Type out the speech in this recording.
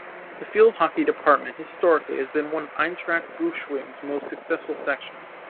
The field hockey department historically has been one of Eintracht Braunschweig's most successful sections.